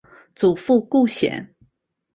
祖父顾显。